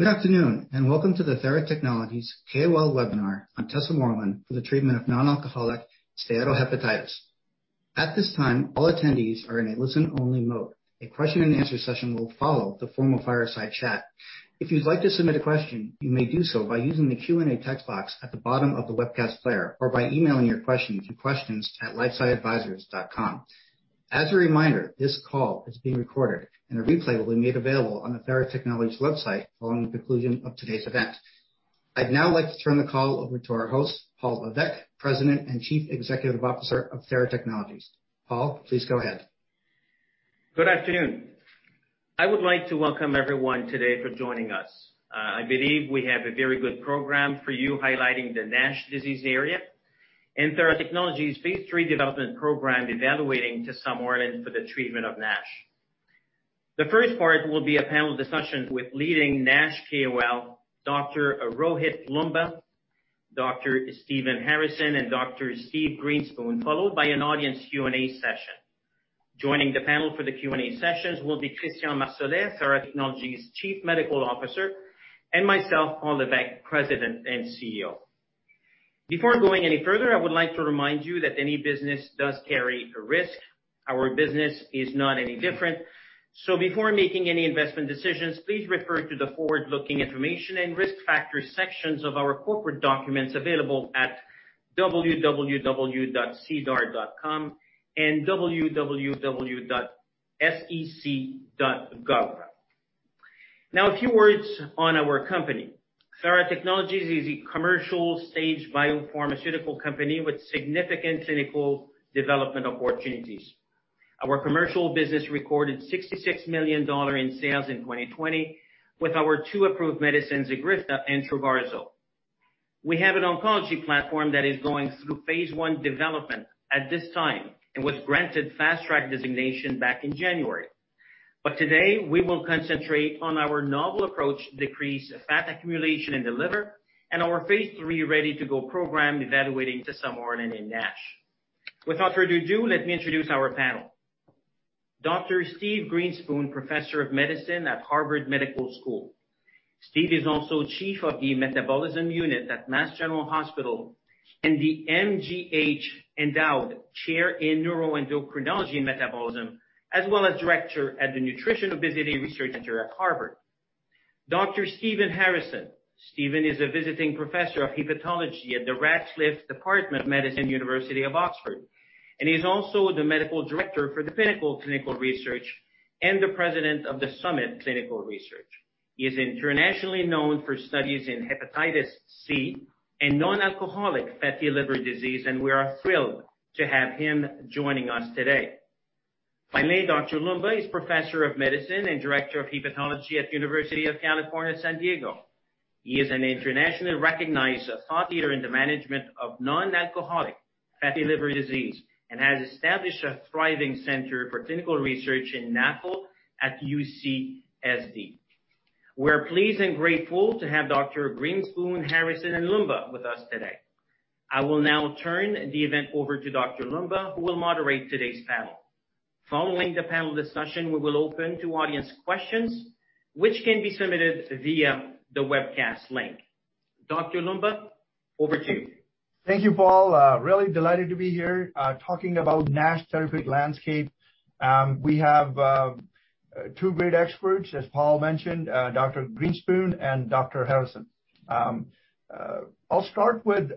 Good afternoon, and welcome to the Theratechnologies KOL webinar on tesamorelin for the treatment of non-alcoholic steatohepatitis. At this time, all attendees are in a listen-only mode. A question and answer session will follow the formal fireside chat. If you'd like to submit a question, you may do so by using the Q&A text box at the bottom of the webcast player, or by emailing your question to questions@lifesciadvisors.com. As a reminder, this call is being recorded, and a replay will be made available on the Theratechnologies website following the conclusion of today's event. I'd now like to turn the call over to our host, Paul Lévesque, President and Chief Executive Officer of Theratechnologies. Paul, please go ahead. Good afternoon. I would like to welcome everyone today for joining us. I believe we have a very good program for you highlighting the NASH disease area and Theratechnologies' phase III development program evaluating tesamorelin for the treatment of NASH. The first part will be a panel discussion with leading NASH KOL, Dr. Rohit Loomba, Dr. Stephen Harrison, and Dr. Steven Grinspoon, followed by an audience Q&A session. Joining the panel for the Q&A sessions will be Christian Marsolais, Theratechnologies' Chief Medical Officer, and myself, Paul Lévesque, President and CEO. Before going any further, I would like to remind you that any business does carry a risk. Our business is not any different. Before making any investment decisions, please refer to the forward-looking information and risk factors sections of our corporate documents available at www.sedar.com and www.sec.gov. A few words on our company. Theratechnologies is a commercial stage biopharmaceutical company with significant clinical development opportunities. Our commercial business recorded $66 million in sales in 2020 with our two approved medicines, EGRIFTA and TROGARZO. We have an oncology platform that is going through phase I development at this time and was granted Fast Track designation back in January. Today, we will concentrate on our novel approach to decrease fat accumulation in the liver and our phase III ready-to-go program evaluating tesamorelin in NASH. Without further ado, let me introduce our panel. Dr. Steven Grinspoon, Professor of Medicine at Harvard Medical School. Steven is also Chief of the Metabolism Unit at Massachusetts General Hospital and the MGH Endowed Chair in Neuroendocrinology and Metabolism, as well as Director at the Nutrition Obesity Research Center at Harvard. Dr. Stephen Harrison. Steven is a Visiting Professor of Hepatology at the Radcliffe Department of Medicine, University of Oxford, and he's also the Medical Director for the Pinnacle Clinical Research and the President of the Summit Clinical Research. He is internationally known for studies in hepatitis C and non-alcoholic fatty liver disease, and we are thrilled to have him joining us today. Finally, Dr. Loomba is Professor of Medicine and Director of Hepatology at the University of California, San Diego. He is an internationally recognized thought leader in the management of non-alcoholic fatty liver disease and has established a thriving center for clinical research in NAFL at UCSD. We're pleased and grateful to have Dr. Grinspoon, Harrison, and Loomba with us today. I will now turn the event over to Dr. Loomba, who will moderate today's panel. Following the panel discussion, we will open to audience questions, which can be submitted via the webcast link. Dr. Loomba, over to you. Thank you, Paul. Really delighted to be here, talking about NASH therapeutic landscape. We have two great experts, as Paul mentioned, Steven Grinspoon and Stephen Harrison. I'll start with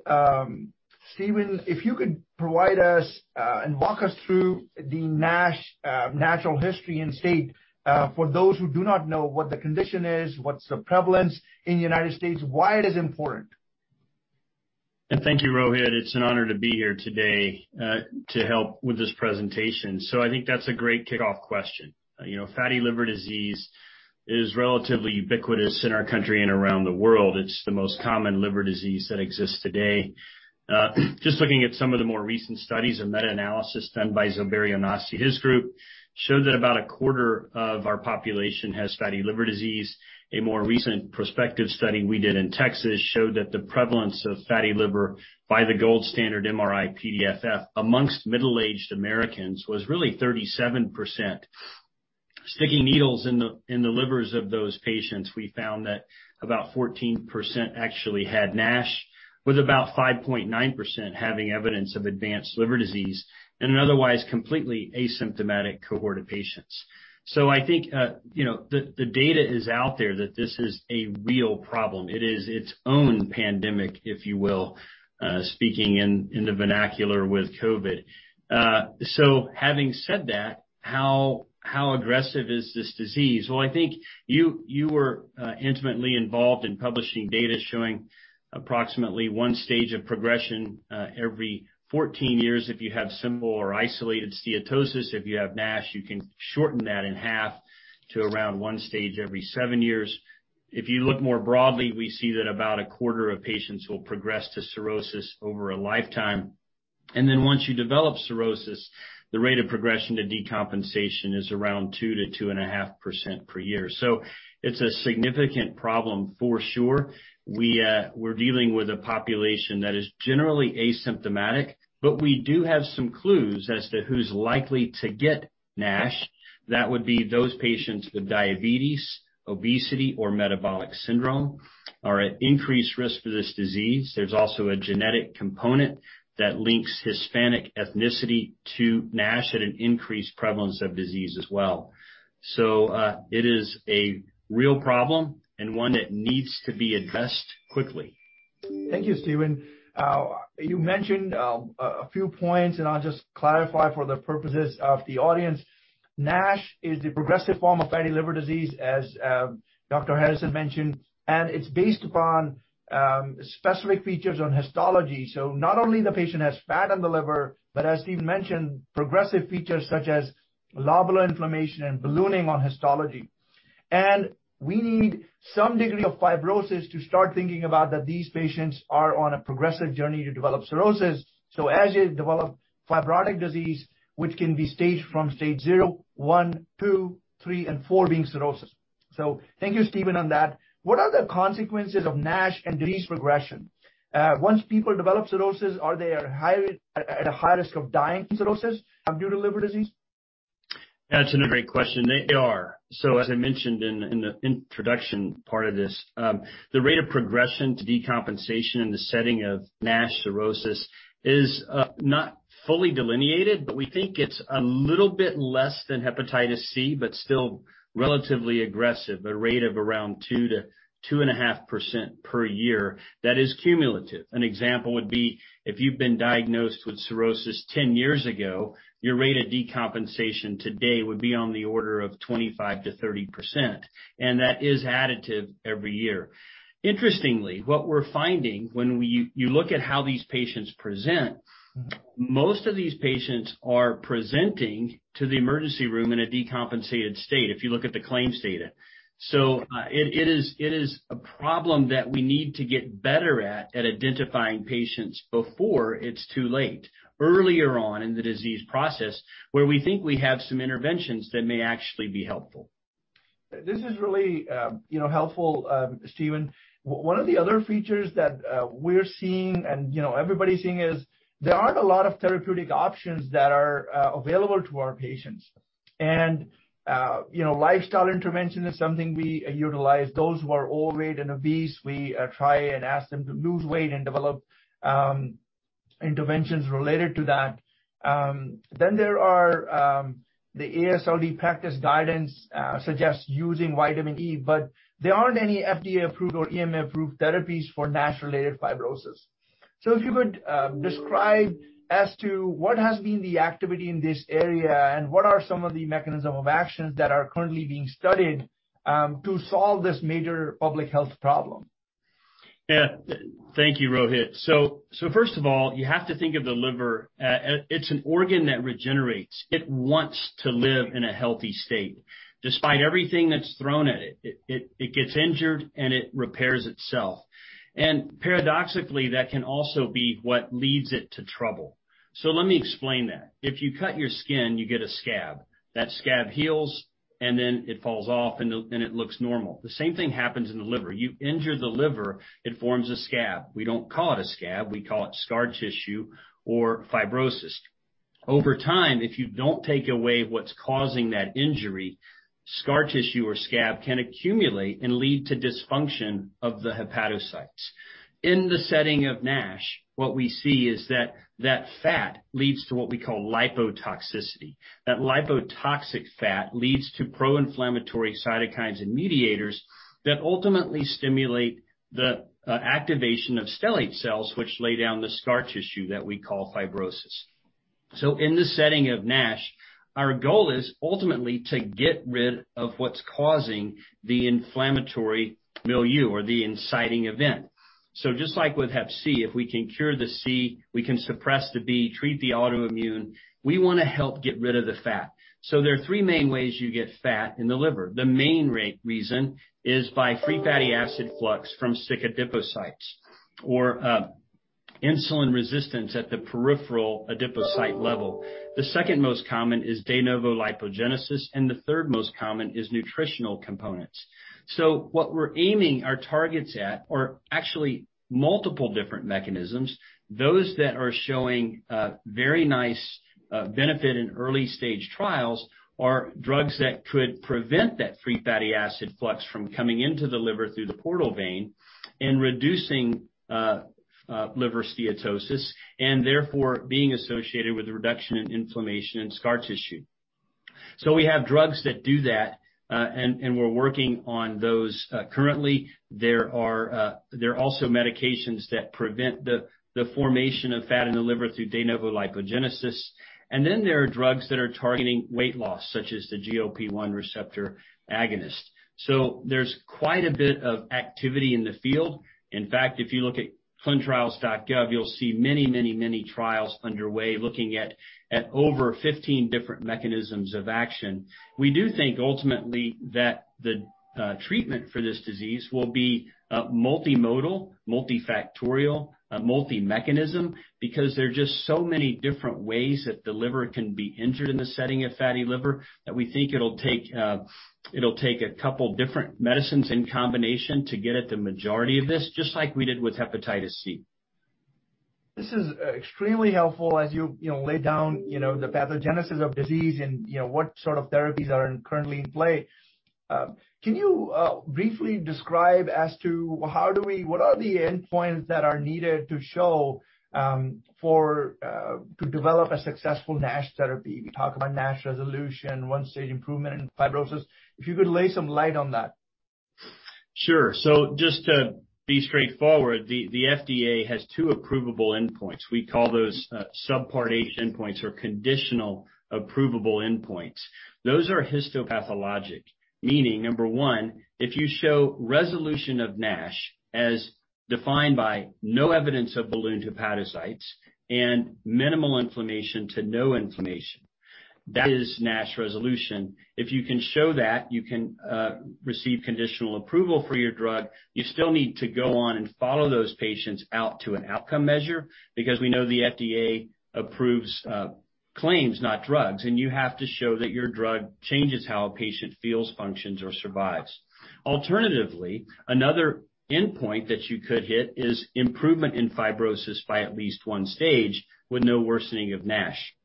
Stephen. If you could provide us and walk us through the NASH natural history and state, for those who do not know what the condition is, what's the prevalence in the U.S., why it is important? Thank you, Rohit. It's an honor to be here today to help with this presentation. I think that's a great kickoff question. Fatty liver disease is relatively ubiquitous in our country and around the world. It's the most common liver disease that exists today. Just looking at some of the more recent studies, a meta-analysis done by Zobair Younossi, his group, showed that about a quarter of our population has fatty liver disease. A more recent prospective study we did in Texas showed that the prevalence of fatty liver by the gold standard MRI-PDFF amongst middle-aged Americans was really 37%. Sticking needles in the livers of those patients, we found that about 14% actually had NASH, with about 5.9% having evidence of advanced liver disease in an otherwise completely asymptomatic cohort of patients. I think the data is out there that this is a real problem. It is its own pandemic, if you will, speaking in the vernacular with COVID. Having said that, how aggressive is this disease? Well, I think you were intimately involved in publishing data showing approximately 1 stage of progression every 14 years if you have simple or isolated steatosis. If you have NASH, you can shorten that in half to around 1 stage every 7 years. If you look more broadly, we see that about a quarter of patients will progress to cirrhosis over a lifetime. Once you develop cirrhosis, the rate of progression to decompensation is around 2%-2.5% per year. It's a significant problem, for sure. We're dealing with a population that is generally asymptomatic, but we do have some clues as to who's likely to get NASH. That would be those patients with diabetes, obesity, or metabolic syndrome are at increased risk for this disease. There's also a genetic component that links Hispanic ethnicity to NASH at an increased prevalence of disease as well. It is a real problem and one that needs to be addressed quickly. Thank you, Stephen. You mentioned a few points and I'll just clarify for the purposes of the audience. NASH is the progressive form of fatty liver disease, as Dr. Harrison mentioned, and it's based upon specific features on histology. Not only the patient has fat on the liver, but as Stephen mentioned, progressive features such as lobular inflammation and ballooning on histology. We need some degree of fibrosis to start thinking about that these patients are on a progressive journey to develop cirrhosis. As you develop fibrotic disease, which can be staged from stage 0, 1, 2, 3, and 4 being cirrhosis. Thank you, Stephen, on that. What are the consequences of NASH and disease progression? Once people develop cirrhosis, are they at a high risk of dying from cirrhosis due to liver disease? That's another great question. They are. As I mentioned in the introduction part of this, the rate of progression to decompensation in the setting of NASH cirrhosis is not fully delineated, but we think it's a little bit less than hepatitis C, but still relatively aggressive, a rate of around 2%-2.5% per year. That is cumulative. An example would be if you've been diagnosed with cirrhosis 10 years ago, your rate of decompensation today would be on the order of 25%-30%, and that is additive every year. Interestingly, what we're finding when you look at how these patients present, most of these patients are presenting to the emergency room in a decompensated state, if you look at the claims data. It is a problem that we need to get better at identifying patients before it is too late, earlier on in the disease process, where we think we have some interventions that may actually be helpful. This is really helpful, Steven. One of the other features that we're seeing, and everybody's seeing is there aren't a lot of therapeutic options that are available to our patients. Lifestyle intervention is something we utilize. Those who are overweight and obese, we try and ask them to lose weight and develop interventions related to that. There are the AASLD practice guidance suggests using vitamin E, but there aren't any FDA-approved or EMA-approved therapies for NASH-related fibrosis. If you could describe as to what has been the activity in this area and what are some of the mechanism of actions that are currently being studied to solve this major public health problem? Thank you, Rohit. First of all, you have to think of the liver. It's an organ that regenerates. It wants to live in a healthy state. Despite everything that's thrown at it gets injured and it repairs itself. Paradoxically, that can also be what leads it to trouble. Let me explain that. If you cut your skin, you get a scab. That scab heals, and then it falls off, and it looks normal. The same thing happens in the liver. You injure the liver, it forms a scab. We don't call it a scab. We call it scar tissue or fibrosis. Over time, if you don't take away what's causing that injury, scar tissue or scab can accumulate and lead to dysfunction of the hepatocytes. In the setting of NASH, what we see is that fat leads to what we call lipotoxicity. That lipotoxic fat leads to pro-inflammatory cytokines and mediators that ultimately stimulate the activation of stellate cells, which lay down the scar tissue that we call fibrosis. In the setting of NASH, our goal is ultimately to get rid of what's causing the inflammatory milieu or the inciting event. Just like with hep C, if we can cure the C, we can suppress the B, treat the autoimmune, we want to help get rid of the fat. There are three main ways you get fat in the liver. The main reason is by free fatty acid flux from sick adipocytes, or insulin resistance at the peripheral adipocyte level. The second most common is de novo lipogenesis, and the third most common is nutritional components. What we're aiming our targets at are actually multiple different mechanisms. Those that are showing a very nice benefit in early-stage trials are drugs that could prevent that free fatty acid flux from coming into the liver through the portal vein and reducing liver steatosis, and therefore being associated with a reduction in inflammation and scar tissue. We have drugs that do that, and we're working on those currently. There are also medications that prevent the formation of fat in the liver through de novo lipogenesis. There are drugs that are targeting weight loss, such as the GLP-1 receptor agonist. There's quite a bit of activity in the field. In fact, if you look at clinicaltrials.gov, you'll see many, many, many trials underway looking at over 15 different mechanisms of action. We do think ultimately that the treatment for this disease will be multimodal, multifactorial, multi-mechanism, because there are just so many different ways that the liver can be injured in the setting of fatty liver, that we think it'll take a couple different medicines in combination to get at the majority of this, just like we did with hepatitis C. This is extremely helpful as you lay down the pathogenesis of disease and what sort of therapies are currently in play. Can you briefly describe as to what are the endpoints that are needed to show to develop a successful NASH therapy? We talk about NASH resolution, 1 stage improvement in fibrosis. If you could lay some light on that. Sure. Just to be straightforward, the FDA has 2 approvable endpoints. We call those subpart H endpoints or conditional approvable endpoints. Those are histopathologic, meaning, number 1, if you show resolution of NASH as defined by no evidence of ballooned hepatocytes and minimal inflammation to no inflammation, that is NASH resolution. If you can show that, you can receive conditional approval for your drug. You still need to go on and follow those patients out to an outcome measure because we know the FDA approves claims, not drugs, and you have to show that your drug changes how a patient feels, functions, or survives. Alternatively, another endpoint that you could hit is improvement in fibrosis by at least 1 stage with no worsening of NASH.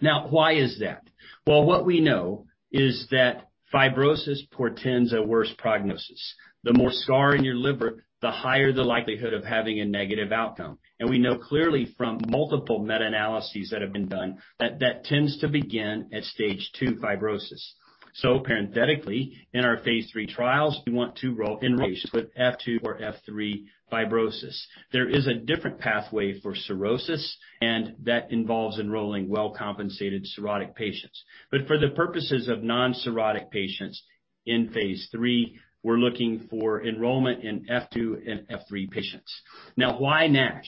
Why is that? Well, what we know is that fibrosis portends a worse prognosis. We know clearly from multiple meta-analyses that have been done that that tends to begin at stage 2 fibrosis. Parenthetically, in our phase III trials, we want to enroll patients with F2 or F3 fibrosis. There is a different pathway for cirrhosis, and that involves enrolling well-compensated cirrhotic patients. For the purposes of non-cirrhotic patients in phase III, we're looking for enrollment in F2 and F3 patients. Why NASH?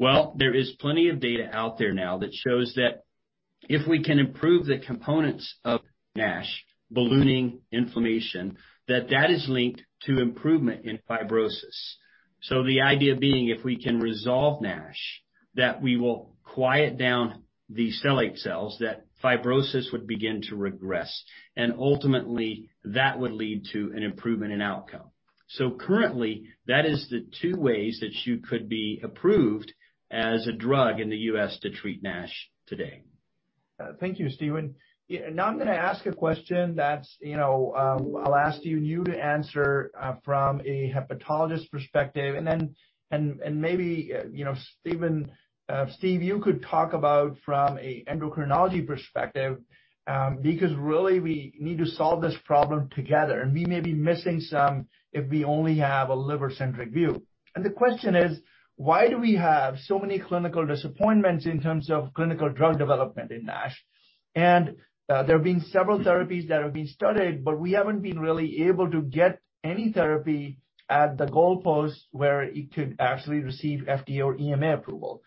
There is plenty of data out there now that shows that if we can improve the components of NASH, ballooning inflammation, that that is linked to improvement in fibrosis. The idea being if we can resolve NASH, that we will quiet down the stellate cells, that fibrosis would begin to regress, and ultimately that would lead to an improvement in outcome. Currently, that is the two ways that you could be approved as a drug in the U.S. to treat NASH today. Thank you, Steven. I'm going to ask a question that I'll ask you to answer from a hepatologist perspective, and then maybe, Steve, you could talk about from an endocrinology perspective, because really we need to solve this problem together, and we may be missing some if we only have a liver-centric view. The question is: Why do we have so many clinical disappointments in terms of clinical drug development in NASH? There have been several therapies that have been studied, but we haven't been really able to get any therapy at the goalpost where it could actually receive FDA or EMA approval.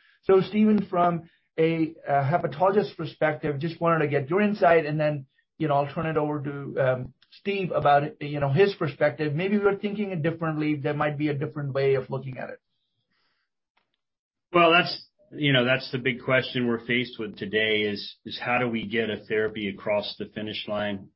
Steven, from a hepatologist perspective, just wanted to get your insight and then I'll turn it over to Steve about his perspective. Maybe we're thinking it differently. There might be a different way of looking at it. Well, that's the big question we're faced with today is how do we get a therapy across the finish line,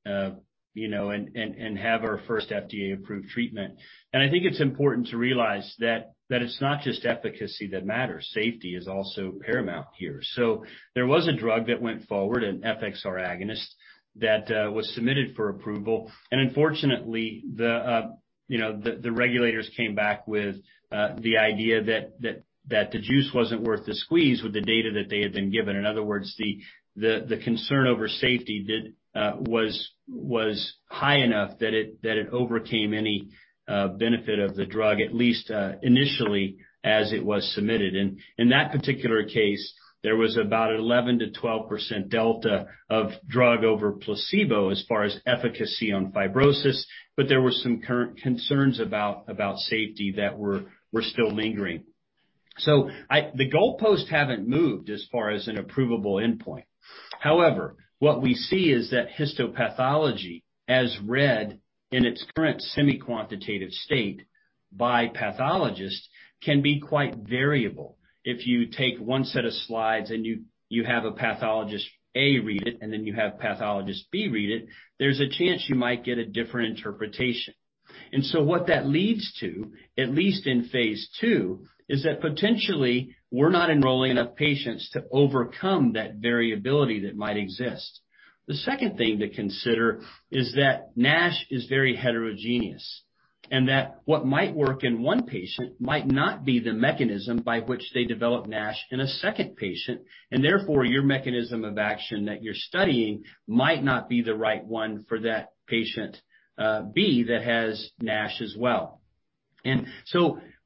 and have our first FDA-approved treatment. I think it's important to realize that it's not just efficacy that matters. Safety is also paramount here. There was a drug that went forward, an FXR agonist, that was submitted for approval, and unfortunately, the regulators came back with the idea that the juice wasn't worth the squeeze with the data that they had been given. In other words, the concern over safety was high enough that it overcame any benefit of the drug, at least initially as it was submitted. In that particular case, there was about an 11%-12% delta of drug over placebo as far as efficacy on fibrosis, but there were some concerns about safety that were still lingering. The goalposts haven't moved as far as an approvable endpoint. However, what we see is that histopathology, as read in its current semi-quantitative state by pathologists, can be quite variable. If you take 1 set of slides and you have a pathologist A read it, and then you have pathologist B read it, there's a chance you might get a different interpretation. What that leads to, at least in phase II, is that potentially we're not enrolling enough patients to overcome that variability that might exist. The 2nd thing to consider is that NASH is very heterogeneous, and that what might work in 1 patient might not be the mechanism by which they develop NASH in a 2nd patient, and therefore, your mechanism of action that you're studying might not be the right 1 for that patient B that has NASH as well.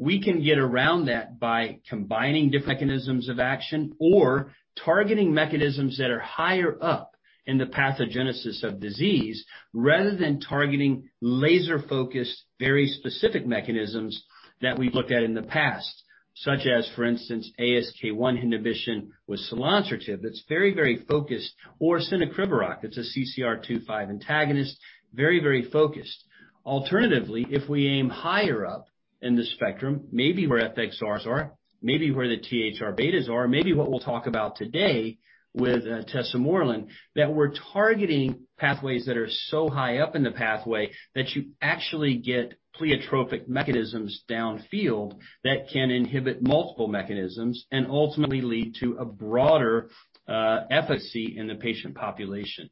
We can get around that by combining different mechanisms of action or targeting mechanisms that are higher up in the pathogenesis of disease rather than targeting laser-focused, very specific mechanisms that we've looked at in the past, such as, for instance, ASK1 inhibition with selonsertib, that's very, very focused, or cenicriviroc, it's a CCR2/5 antagonist, very, very focused. Alternatively, if we aim higher up in the spectrum, maybe where FXRs are, maybe where the THR-β are, maybe what we'll talk about today with tesamorelin, that we're targeting pathways that are so high up in the pathway that you actually get pleiotropic mechanisms downfield that can inhibit multiple mechanisms and ultimately lead to a broader efficacy in the patient population.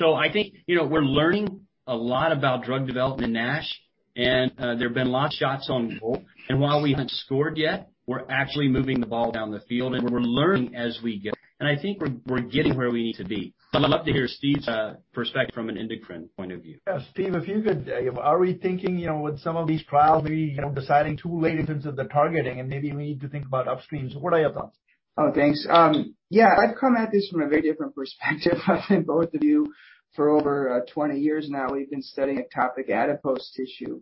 I think we're learning a lot about drug development in NASH, and there have been lot shots on goal, and while we haven't scored yet, we're actually moving the ball down the field and we're learning as we go. I think we're getting where we need to be. I'd love to hear Steve's perspective from an endocrine point of view. Yeah. Steve, are we thinking with some of these trials, maybe deciding too late in terms of the targeting and maybe we need to think about upstream? What are your thoughts? Oh, thanks. Yeah. I've come at this from a very different perspective than both of you. For over 20 years now, we've been studying ectopic adipose tissue.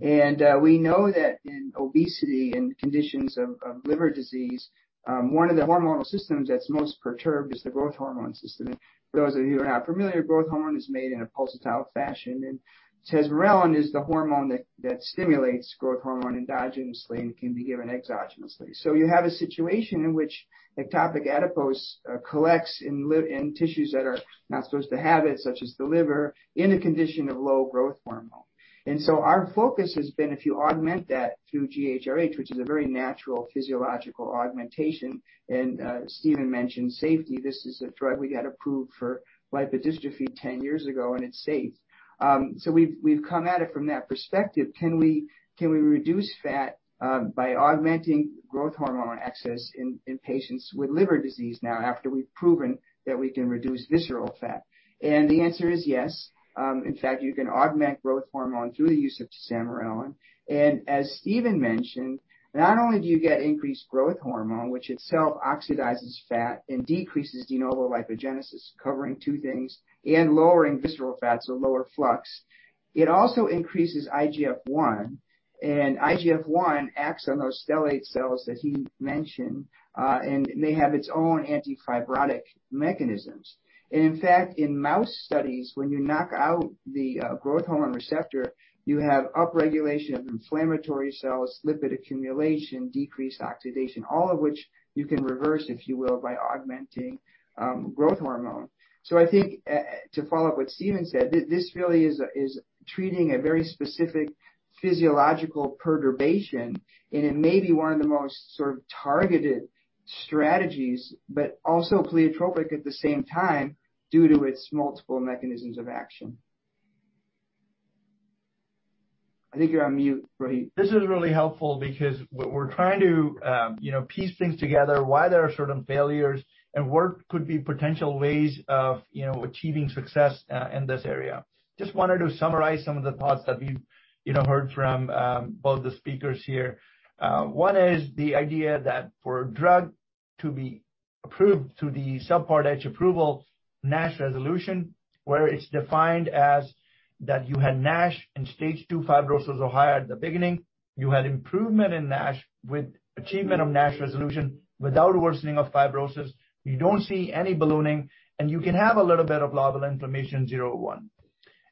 We know that in obesity and conditions of liver disease, one of the hormonal systems that's most perturbed is the growth hormone system. For those of you who are not familiar, growth hormone is made in a pulsatile fashion, and tesamorelin is the hormone that stimulates growth hormone endogenously and can be given exogenously. You have a situation in which ectopic adipose collects in tissues that are not supposed to have it, such as the liver, in a condition of low growth hormone. Our focus has been, if you augment that through GHRH, which is a very natural physiological augmentation, and Stephen Harrison mentioned safety, this is a drug we got approved for lipodystrophy 10 years ago, and it's safe. We've come at it from that perspective. Can we reduce fat by augmenting growth hormone access in patients with liver disease now after we've proven that we can reduce visceral fat? The answer is yes. In fact, you can augment growth hormone through the use of tesamorelin. As Stephen Harrison mentioned, not only do you get increased growth hormone, which itself oxidizes fat and decreases de novo lipogenesis, covering two things, and lowering visceral fats or lower flux, it also increases IGF-1, and IGF-1 acts on those stellate cells that he mentioned, and may have its own anti-fibrotic mechanisms. In fact, in mouse studies, when you knock out the growth hormone receptor, you have upregulation of inflammatory cells, lipid accumulation, decreased oxidation, all of which you can reverse, if you will, by augmenting growth hormone. I think, to follow up what Steven Grinspoon said, this really is treating a very specific physiological perturbation, and it may be one of the most sort of targeted strategies, but also pleiotropic at the same time due to its multiple mechanisms of action. I think you're on mute, Rohit Loomba. This is really helpful because we're trying to piece things together, why there are certain failures and what could be potential ways of achieving success in this area. Just wanted to summarize some of the thoughts that we've heard from both the speakers here. One is the idea that for a drug to be approved through the Subpart H approval, NASH resolution, where it's defined as that you had NASH and stage 2 fibrosis or higher at the beginning, you had improvement in NASH with achievement of NASH resolution without worsening of fibrosis, you don't see any ballooning, and you can have a little bit of lobular inflammation, 0-1.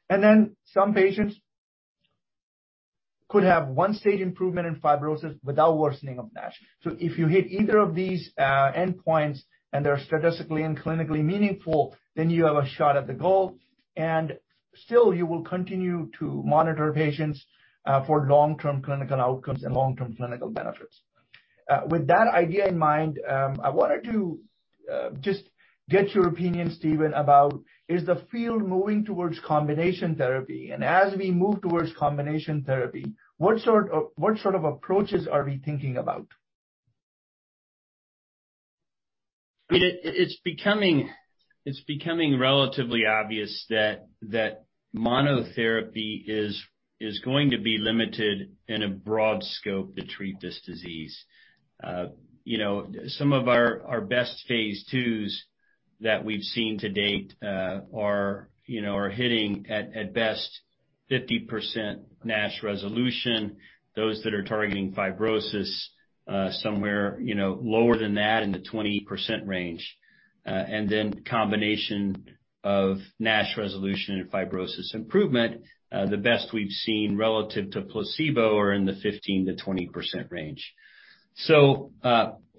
Then some patients could have one-stage improvement in fibrosis without worsening of NASH. If you hit either of these endpoints and they're statistically and clinically meaningful, then you have a shot at the goal. Still you will continue to monitor patients for long-term clinical outcomes and long-term clinical benefits. With that idea in mind, I wanted to just get your opinion, Steven, about is the field moving towards combination therapy? As we move towards combination therapy, what sort of approaches are we thinking about? It's becoming relatively obvious that monotherapy is going to be limited in a broad scope to treat this disease. Some of our best phase IIs that we've seen to date are hitting, at best, 50% NASH resolution. Those that are targeting fibrosis, somewhere lower than that, in the 20% range. Then combination of NASH resolution and fibrosis improvement, the best we've seen relative to placebo are in the 15%-20% range.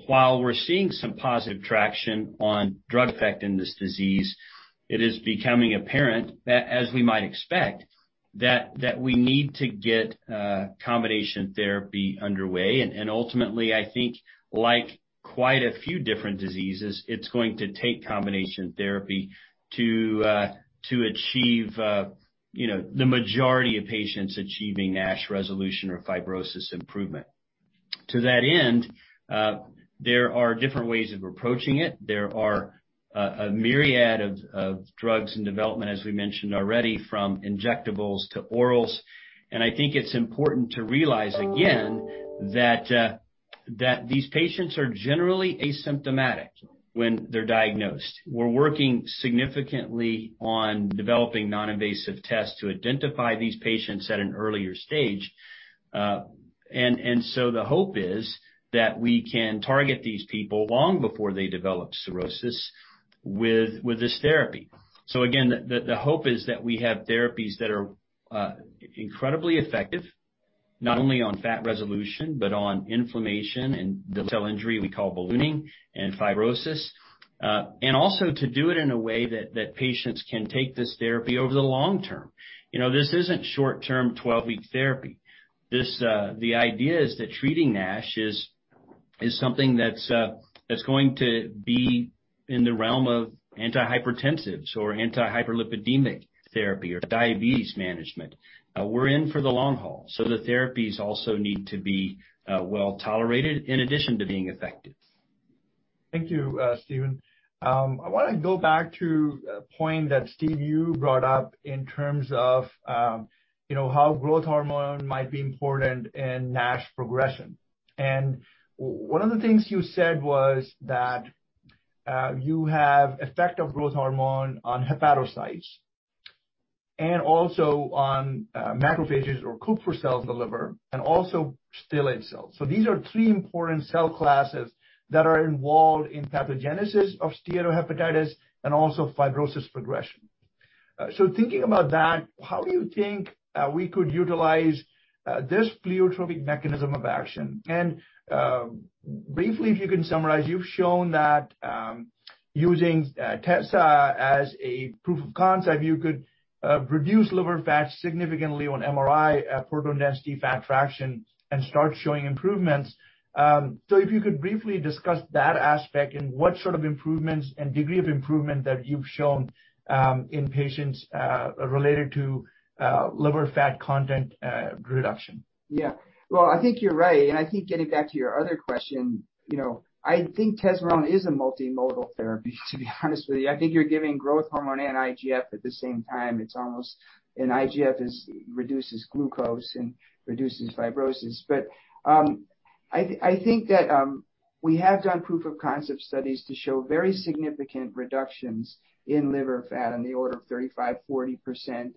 While we're seeing some positive traction on drug effect in this disease, it is becoming apparent, as we might expect, that we need to get combination therapy underway. Ultimately, I think like quite a few different diseases, it's going to take combination therapy to achieve the majority of patients achieving NASH resolution or fibrosis improvement. To that end, there are different ways of approaching it. There are a myriad of drugs in development, as we mentioned already, from injectables to orals. I think it's important to realize, again, that these patients are generally asymptomatic when they're diagnosed. We're working significantly on developing Non-Invasive Tests to identify these patients at an earlier stage. The hope is that we can target these people long before they develop cirrhosis with this therapy. Again, the hope is that we have therapies that are incredibly effective, not only on fat resolution, but on inflammation and the cell injury we call ballooning and fibrosis. Also to do it in a way that patients can take this therapy over the long term. This isn't short-term, 12-week therapy. The idea is that treating NASH is something that's going to be in the realm of antihypertensives or anti-hyperlipidemic therapy or diabetes management. We're in for the long haul, so the therapies also need to be well-tolerated in addition to being effective. Thank you, Stephen. I want to go back to a point that, Steve, you brought up in terms of how growth hormone might be important in NASH progression. 1 of the things you said was that you have effect of growth hormone on hepatocytes and also on macrophages or Kupffer cells in the liver, and also stellate cells. These are 3 important cell classes that are involved in pathogenesis of steatohepatitis and also fibrosis progression. Thinking about that, how do you think we could utilize this pleiotropic mechanism of action? Briefly, if you can summarize, you've shown that using tes as a proof of concept, you could reduce liver fat significantly on MRI proton density fat fraction and start showing improvements. If you could briefly discuss that aspect and what sort of improvements and degree of improvement that you've shown in patients related to liver fat content reduction. Yeah. Well, I think you're right, and I think getting back to your other question, I think tesamorelin is a multimodal therapy, to be honest with you. I think you're giving growth hormone and IGF at the same time, and IGF reduces glucose and reduces fibrosis. I think that we have done proof-of-concept studies to show very significant reductions in liver fat on the order of 35%, 40%,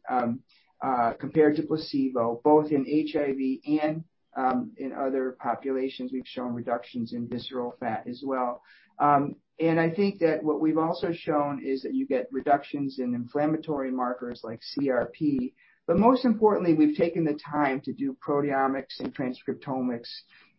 compared to placebo, both in HIV and in other populations. We've shown reductions in visceral fat as well. I think that what we've also shown is that you get reductions in inflammatory markers like CRP, but most importantly, we've taken the time to do proteomics and transcriptomics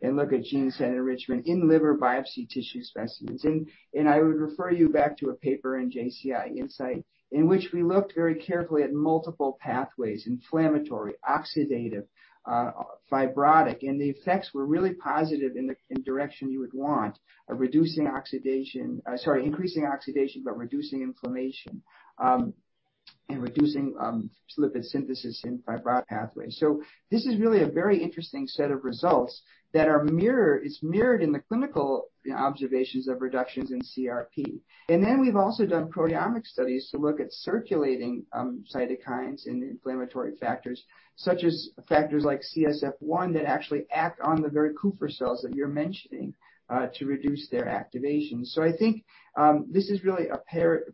and look at gene set enrichment in liver biopsy tissue specimens. I would refer you back to a paper in JCI Insight in which we looked very carefully at multiple pathways, inflammatory, oxidative, fibrotic, and the effects were really positive in the direction you would want of increasing oxidation, but reducing inflammation, and reducing lipid synthesis in fibrotic pathways. This is really a very interesting set of results that is mirrored in the clinical observations of reductions in CRP. We've also done proteomic studies to look at circulating cytokines and inflammatory factors, such as factors like CSF1 that actually act on the very Kupffer cells that you're mentioning to reduce their activation. I think this is really a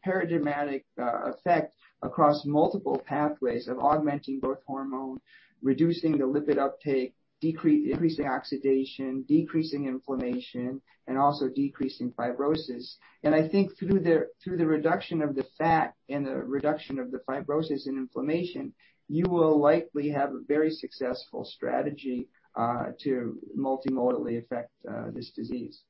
paradigmatic effect across multiple pathways of augmenting growth hormone, reducing the lipid uptake, increasing oxidation, decreasing inflammation, and also decreasing fibrosis. I think through the reduction of the fat and the reduction of the fibrosis and inflammation, you will likely have a very successful strategy to multimodally affect this disease.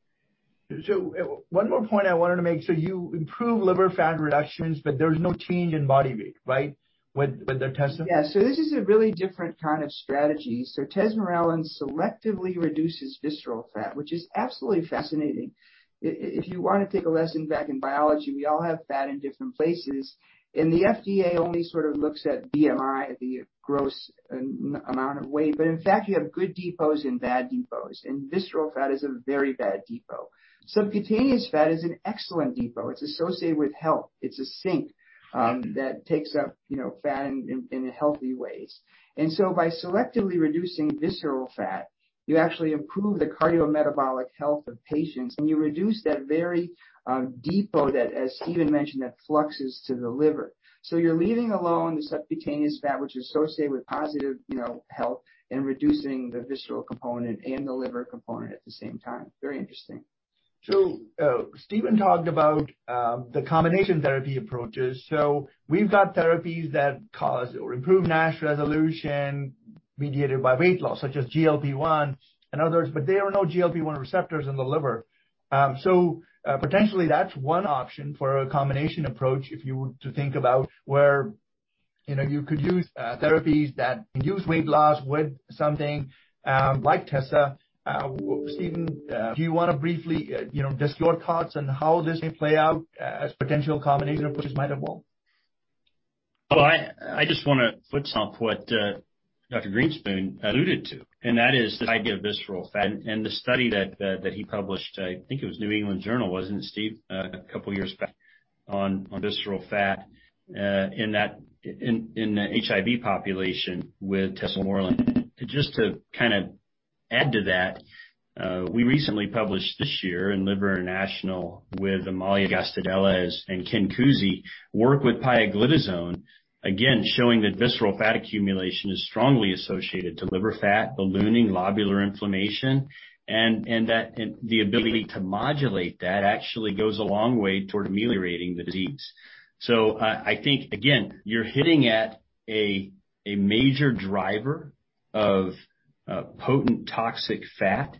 One more point I wanted to make. You improve liver fat reductions, but there's no change in body weight, right? With the tessa? Yeah. This is a really different kind of strategy. Tesamorelin selectively reduces visceral fat, which is absolutely fascinating. If you want to take a lesson back in biology, we all have fat in different places, and the FDA only sort of looks at BMI, the gross amount of weight. In fact, you have good depots and bad depots, and visceral fat is a very bad depot. Subcutaneous fat is an excellent depot. It's associated with health. It's a sink that takes up fat in healthy ways. By selectively reducing visceral fat, you actually improve the cardiometabolic health of patients, and you reduce that very depot that, as Stephen Harrison mentioned, that fluxes to the liver. You're leaving alone the subcutaneous fat, which is associated with positive health and reducing the visceral component and the liver component at the same time. Very interesting. Steven talked about the combination therapy approaches. We've got therapies that cause or improve NASH resolution mediated by weight loss, such as GLP-1 and others, but there are no GLP-1 receptors in the liver. Potentially that's one option for a combination approach, if you were to think about where you could use therapies that use weight loss with something like tesa. Steven, do you want to briefly discuss your thoughts on how this may play out as potential combination approaches might evolve? I just want to foot stomp what Dr. Grinspoon alluded to, and that is this idea of visceral fat and the study that he published, I think it was The New England Journal of Medicine, wasn't it, Steve? 2 years back on visceral fat in the HIV population with tesamorelin. Just to kind of add to that, we recently published this year in Liver International with Amalia Gastaldelli and Kenneth Cusi, work with pioglitazone, again, showing that visceral fat accumulation is strongly associated to liver fat, ballooning, lobular inflammation, and that the ability to modulate that actually goes a long way toward ameliorating the disease. I think, again, you're hitting at a major driver of potent toxic fat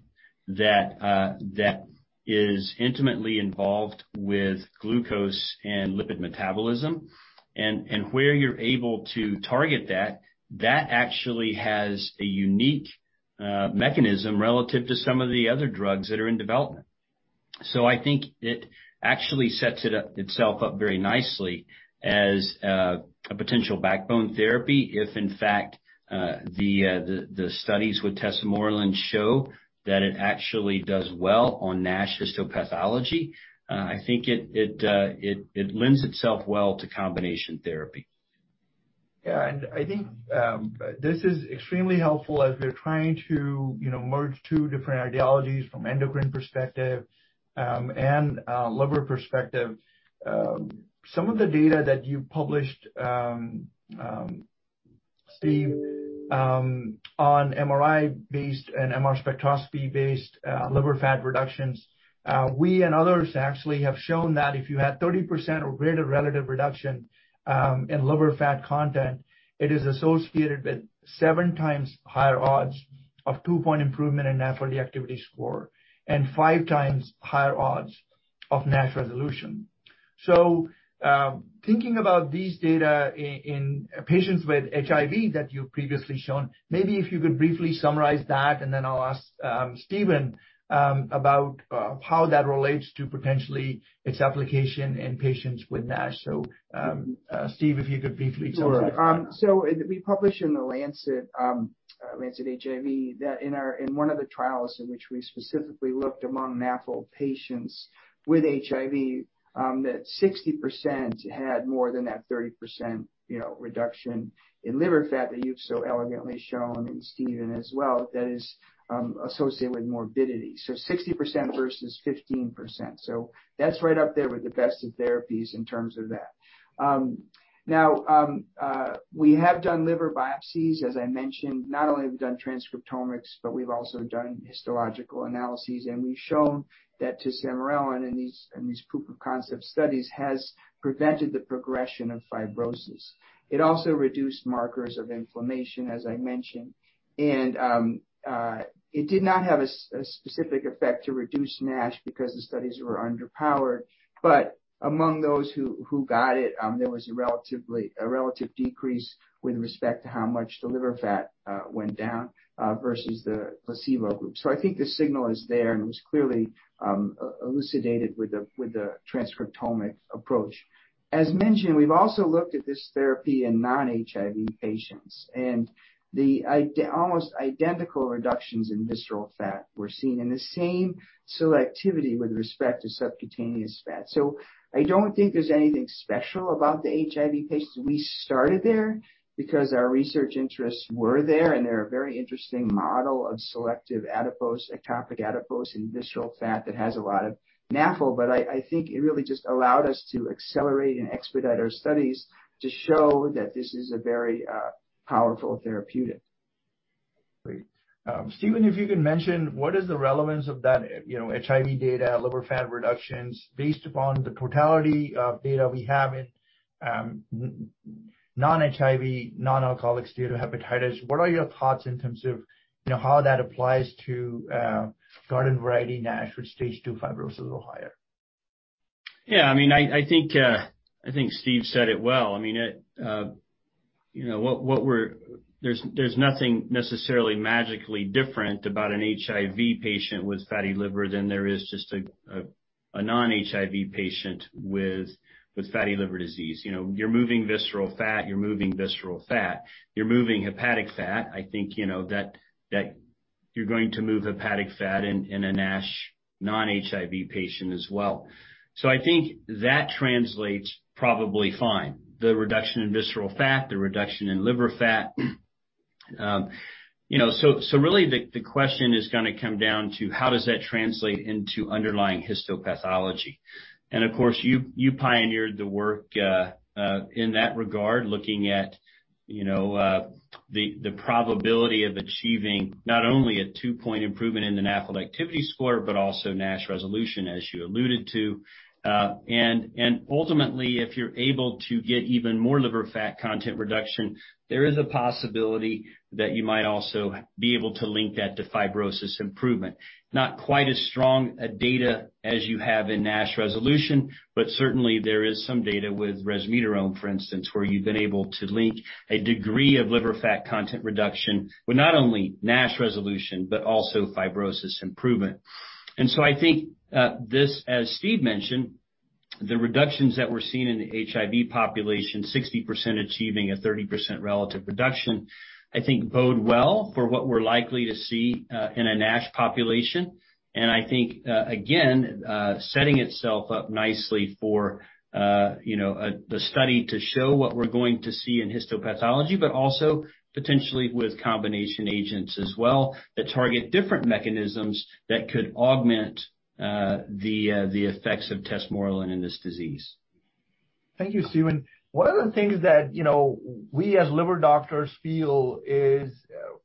that is intimately involved with glucose and lipid metabolism. Where you're able to target that actually has a unique mechanism relative to some of the other drugs that are in development. I think it actually sets itself up very nicely as a potential backbone therapy, if in fact, the studies with tesamorelin show that it actually does well on NASH histopathology. I think it lends itself well to combination therapy. Yeah. I think this is extremely helpful as we're trying to merge 2 different ideologies from endocrine perspective and liver perspective. Some of the data that you published, Steve, on MRI-based and MR spectroscopy-based liver fat reductions, we and others actually have shown that if you had 30% or greater relative reduction in liver fat content, it is associated with 7 times higher odds of 2-point improvement in NAFLD activity score, and 5 times higher odds of NASH resolution. Thinking about these data in patients with HIV that you've previously shown, maybe if you could briefly summarize that, and then I'll ask Steven about how that relates to potentially its application in patients with NASH. Steve, if you could briefly talk about that. All right. We published in The Lancet HIV that in one of the trials in which we specifically looked among NAFL patients with HIV, that 60% had more than that 30% reduction in liver fat that you've so elegantly shown, and Steven as well, that is associated with morbidity. 60% versus 15%. That's right up there with the best of therapies in terms of that. Now, we have done liver biopsies, as I mentioned. Not only have we done transcriptomics, but we've also done histological analyses, and we've shown that tesamorelin in these proof of concept studies has prevented the progression of fibrosis. It also reduced markers of inflammation, as I mentioned. It did not have a specific effect to reduce NASH because the studies were underpowered. Among those who got it, there was a relative decrease with respect to how much the liver fat went down versus the placebo group. I think the signal is there, and it was clearly elucidated with the transcriptomic approach. As mentioned, we've also looked at this therapy in non-HIV patients, and almost identical reductions in visceral fat were seen, and the same selectivity with respect to subcutaneous fat. I don't think there's anything special about the HIV patients. We started there because our research interests were there, and they're a very interesting model of selective adipose, ectopic adipose, and visceral fat that has a lot of NAFL. I think it really just allowed us to accelerate and expedite our studies to show that this is a very powerful therapeutic. Great. Steven, if you can mention what is the relevance of that HIV data, liver fat reductions, based upon the totality of data we have in non-HIV, non-alcoholic steatohepatitis. What are your thoughts in terms of how that applies to garden-variety NASH with stage 2 fibrosis or higher? Yeah. I think Steve said it well. There's nothing necessarily magically different about an HIV patient with fatty liver than there is just a non-HIV patient with fatty liver disease. You're moving visceral fat, you're moving hepatic fat. I think you're going to move hepatic fat in a NASH non-HIV patient as well. I think that translates probably fine, the reduction in visceral fat, the reduction in liver fat. Really the question is going to come down to how does that translate into underlying histopathology. Of course, you pioneered the work in that regard, looking at the probability of achieving not only a two-point improvement in the NAFLD activity score, but also NASH resolution, as you alluded to. Ultimately, if you're able to get even more liver fat content reduction, there is a possibility that you might also be able to link that to fibrosis improvement. Not quite as strong a data as you have in NASH resolution, but certainly there is some data with resmetirom, for instance, where you've been able to link a degree of liver fat content reduction with not only NASH resolution, but also fibrosis improvement. I think this, as Steve mentioned, the reductions that we're seeing in the HIV population, 60% achieving a 30% relative reduction, I think bode well for what we're likely to see in a NASH population. I think, again, setting itself up nicely for the study to show what we're going to see in histopathology, but also potentially with combination agents as well, that target different mechanisms that could augment the effects of tesamorelin in this disease. Thank you, Steven. One of the things that we as liver doctors feel is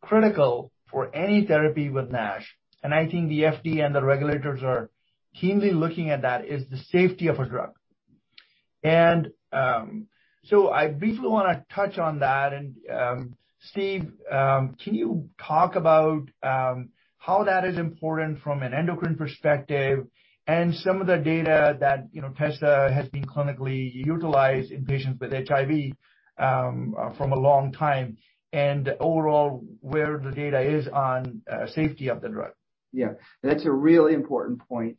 critical for any therapy with NASH, and I think the FDA and the regulators are keenly looking at that, is the safety of a drug. I briefly want to touch on that. Steve, can you talk about how that is important from an endocrine perspective and some of the data that tesamorelin has been clinically utilized in patients with HIV from a long time, and overall, where the data is on safety of the drug? Yeah. That's a really important point.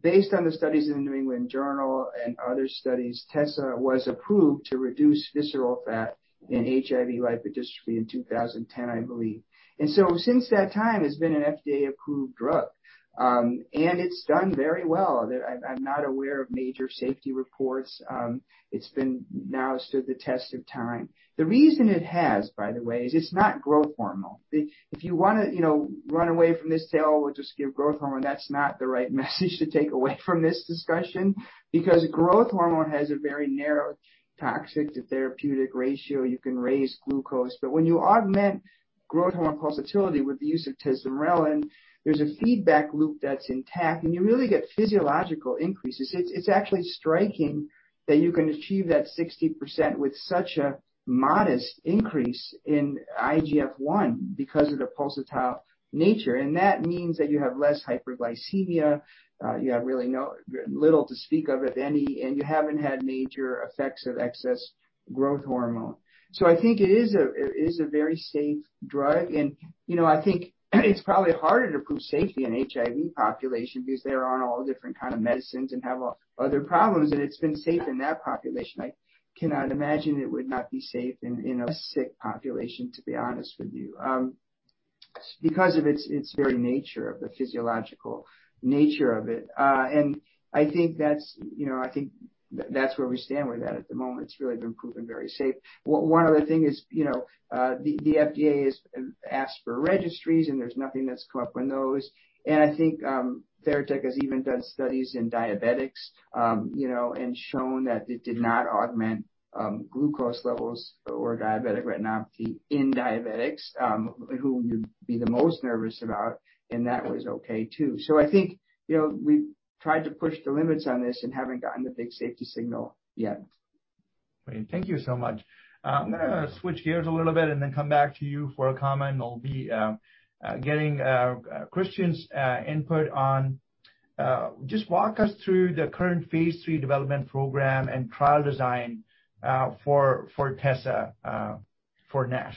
Based on the studies in The New England Journal and other studies, tesamorelin was approved to reduce visceral fat in HIV lipodystrophy in 2010, I believe. Since that time, it's been an FDA-approved drug. It's done very well. I'm not aware of major safety reports. It's now stood the test of time. The reason it has, by the way, is it's not growth hormone. If you want to run away from this tale, we'll just give growth hormone. That's not the right message to take away from this discussion because growth hormone has a very narrow toxic to therapeutic ratio. You can raise glucose. When you augment growth hormone pulsatility with the use of tesamorelin, there's a feedback loop that's intact, and you really get physiological increases. It's actually striking that you can achieve that 60% with such a modest increase in IGF-1 because of the pulsatile nature. That means that you have less hyperglycemia, you have really little to speak of, if any, and you haven't had major effects of excess growth hormone. I think it is a very safe drug, and I think it's probably harder to prove safety in HIV population because they're on all different kind of medicines and have other problems, and it's been safe in that population. I cannot imagine it would not be safe in a sick population, to be honest with you, because of its very nature of the physiological nature of it. I think that's where we stand with that at the moment. It's really been proven very safe. One other thing is the FDA has asked for registries, there's nothing that's come up on those. I think Theratechnologies has even done studies in diabetics, shown that it did not augment glucose levels or diabetic retinopathy in diabetics, who you'd be the most nervous about, that was okay, too. I think we've tried to push the limits on this and haven't gotten the big safety signal yet. Great. Thank you so much. I'm going to switch gears a little bit and then come back to you for a comment. I'll be getting Christian's input on, just walk us through the current phase III development program and trial design for tesamorelin for NASH.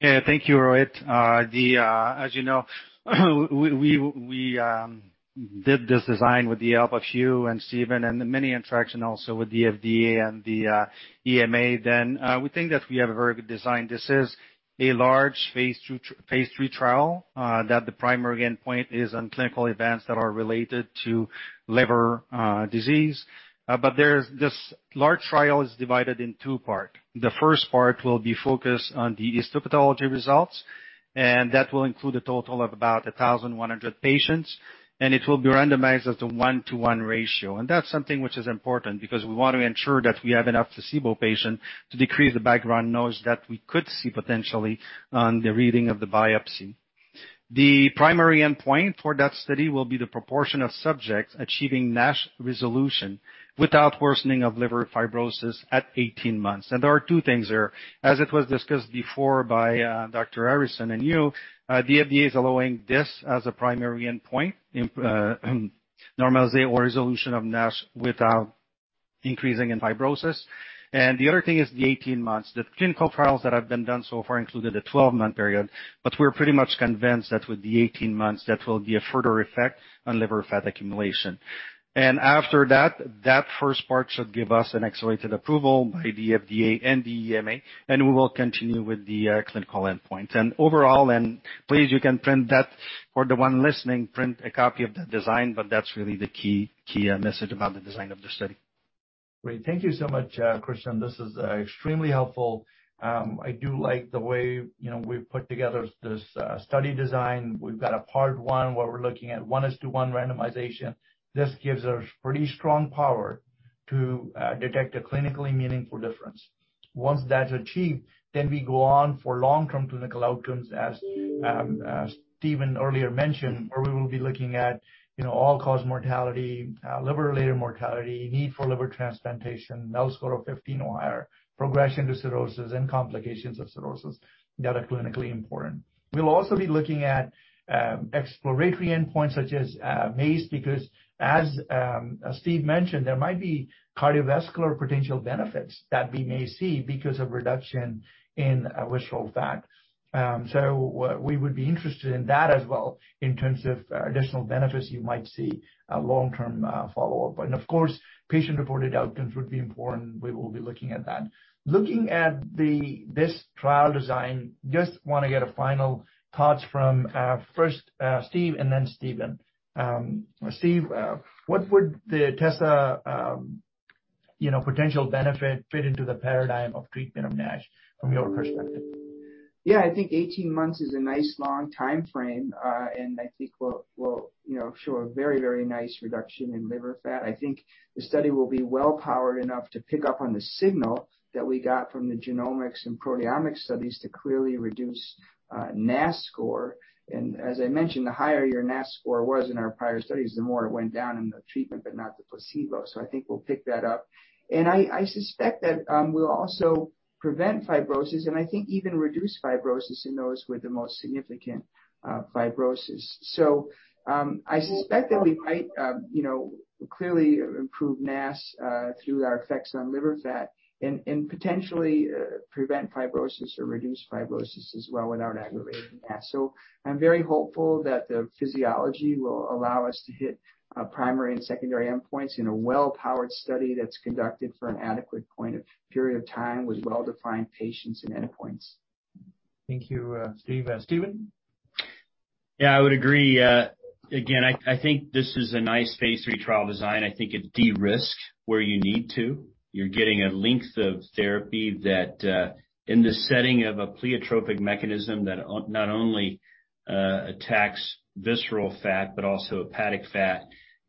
Yeah. Thank you, Rohit. As you know, we did this design with the help of you and Steven and many interaction also with the FDA and the EMA then. We think that we have a very good design. This is a large phase III trial that the primary endpoint is on clinical events that are related to liver disease. This large trial is divided in two part. The first part will be focused on the histopathology results, and that will include a total of about 1,100 patients, and it will be randomized as a one-to-one ratio. That's something which is important because we want to ensure that we have enough placebo patient to decrease the background noise that we could see potentially on the reading of the biopsy. The primary endpoint for that study will be the proportion of subjects achieving NASH resolution without worsening of liver fibrosis at 18 months. There are two things there. As it was discussed before by Dr. Harrison and you, the FDA is allowing this as a primary endpoint, normalize or resolution of NASH without increasing in fibrosis. The other thing is the 18 months. The clinical trials that have been done so far included a 12-month period, but we're pretty much convinced that with the 18 months, that will give further effect on liver fat accumulation. After that first part should give us an accelerated approval by the FDA and the EMA, and we will continue with the clinical endpoint. Overall, and please, you can print that for the one listening, print a copy of the design, but that's really the key message about the design of the study. Great. Thank you so much, Christian Marsolais. This is extremely helpful. I do like the way we've put together this study design. We've got a part one where we're looking at 1 is to 1 randomization. This gives us pretty strong power to detect a clinically meaningful difference. Once that's achieved, then we go on for long-term clinical outcomes as Steven earlier mentioned, where we will be looking at all-cause mortality, liver-related mortality, need for liver transplantation, MELD score of 15 or higher, progression to cirrhosis, and complications of cirrhosis that are clinically important. We'll also be looking at exploratory endpoints such as MACE because as Steve mentioned, there might be cardiovascular potential benefits that we may see because of reduction in visceral fat. We would be interested in that as well in terms of additional benefits you might see at long-term follow-up. Of course, patient-reported outcomes would be important. We will be looking at that. Looking at this trial design, just want to get a final thoughts from first Steven Grinspoon and then Stephen Harrison. Steven Grinspoon, what would the tesamorelin potential benefit fit into the paradigm of treatment of NASH from your perspective? Yeah, I think 18-months is a nice long timeframe. I think we'll show a very nice reduction in liver fat. I think the study will be well powered enough to pick up on the signal that we got from the genomics and proteomics studies to clearly reduce NAS score. As I mentioned, the higher your NAS score was in our prior studies, the more it went down in the treatment but not the placebo. I think we'll pick that up. I suspect that we'll also prevent fibrosis and I think even reduce fibrosis in those with the most significant fibrosis. I suspect that we might clearly improve NAS through our effects on liver fat and potentially prevent fibrosis or reduce fibrosis as well without aggravating NAS. I'm very hopeful that the physiology will allow us to hit primary and secondary endpoints in a well-powered study that's conducted for an adequate period of time with well-defined patients and endpoints. Thank you, Steven. Stephen? I would agree. I think this is a nice phase III trial design. I think it de-risks where you need to. You're getting a length of therapy that, in the setting of a pleiotropic mechanism that not only attacks visceral fat but also hepatic fat,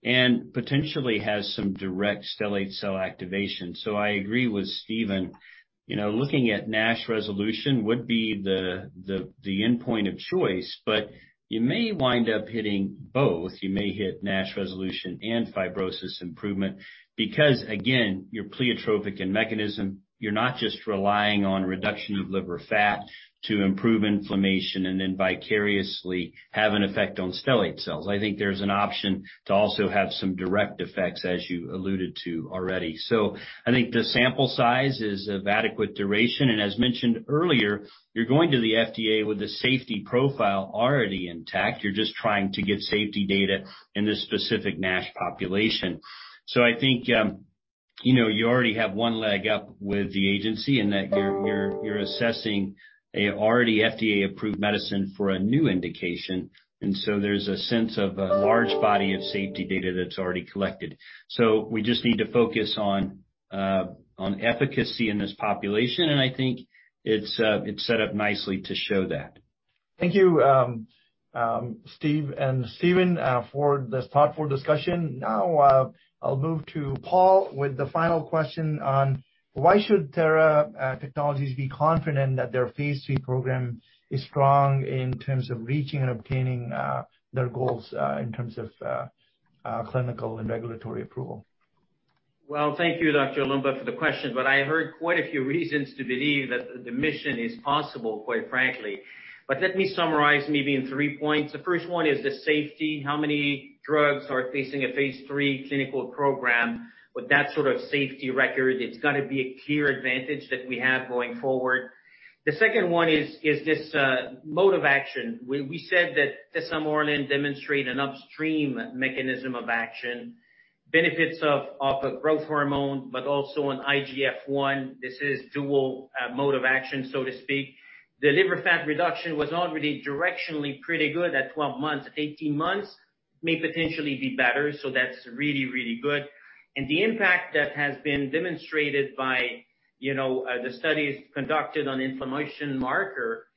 and potentially has some direct stellate cell activation. I agree with Steven. Looking at NASH resolution would be the endpoint of choice, but you may wind up hitting both. You may hit NASH resolution and fibrosis improvement because, again, you're pleiotropic in mechanism. You're not just relying on reduction of liver fat to improve inflammation and then vicariously have an effect on stellate cells. I think there's an option to also have some direct effects, as you alluded to already. I think the sample size is of adequate duration, and as mentioned earlier, you're going to the FDA with a safety profile already intact. You're just trying to get safety data in this specific NASH population. I think you already have one leg up with the agency in that you're assessing an already FDA-approved medicine for a new indication, and there's a sense of a large body of safety data that's already collected. We just need to focus on efficacy in this population, and I think it's set up nicely to show that. Thank you, Steven Grinspoon and Stephen Harrison, for this thoughtful discussion. Now, I'll move to Paul Lévesque with the final question on why should Theratechnologies be confident that their phase III program is strong in terms of reaching and obtaining their goals, in terms of clinical and regulatory approval? Well, thank you, Rohit Loomba, for the question. I heard quite a few reasons to believe that the mission is possible, quite frankly. Let me summarize maybe in three points. The first one is the safety. How many drugs are facing a phase III clinical program with that sort of safety record? It's got to be a clear advantage that we have going forward. The second one is this mode of action, where we said that tesamorelin demonstrate an upstream mechanism of action, benefits of a growth hormone, but also an IGF-1. This is dual mode of action, so to speak. The liver fat reduction was already directionally pretty good at 12 months. 18 months may potentially be better, so that's really good. The impact that has been demonstrated by the studies conducted on inflammation marker,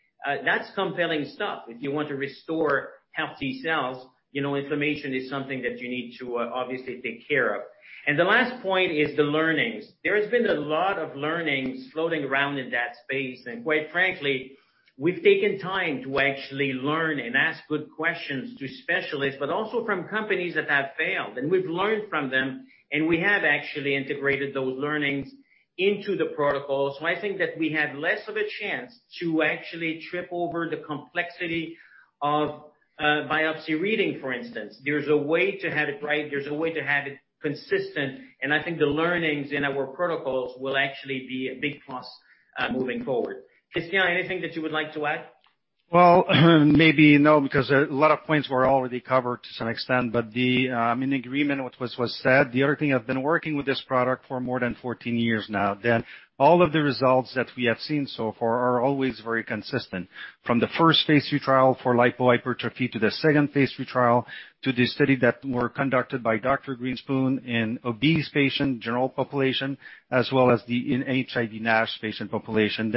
that's compelling stuff. If you want to restore healthy cells, inflammation is something that you need to obviously take care of. The last point is the learnings. There has been a lot of learnings floating around in that space, and quite frankly, we've taken time to actually learn and ask good questions to specialists, but also from companies that have failed, and we've learned from them, and we have actually integrated those learnings into the protocol. I think that we have less of a chance to actually trip over the complexity of biopsy reading, for instance. There's a way to have it right, there's a way to have it consistent, and I think the learnings in our protocols will actually be a big plus moving forward. Christian, anything that you would like to add? Well, maybe no, because a lot of points were already covered to some extent. I'm in agreement with what was said. The other thing, I've been working with this product for more than 14 years now. All of the results that we have seen so far are always very consistent. From the first phase III trial for lipohypertrophy to the second phase III trial, to the study that were conducted by Dr. Grinspoon in obese patient general population, as well as the in HIV NASH patient population.